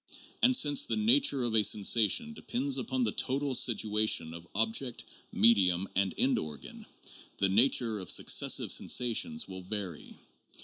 And since the nature of a sensation depends upon the total situation of object, medium, and end organ, the nature of successive sensations will vary.